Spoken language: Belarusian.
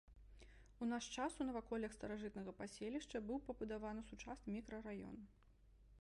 У наш час у наваколлях старажытнага паселішча быў пабудаваны сучасны мікрараён.